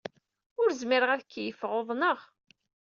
Ur zmireɣ ad keyyfeɣ. Uḍneɣ.